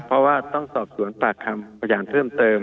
เพราะว่าต้องสอบสวนปากคำพยานเพิ่มเติม